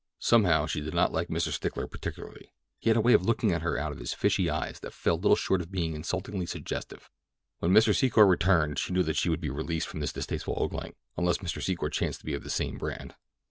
Somehow she did not like Mr. Stickler particularly. He had a way of looking at her out of his fishy eyes that fell little short of being insultingly suggestive. When Mr. Secor returned she knew that she would be released from this distasteful ogling—unless Mr. Secor chanced to be of the same brand.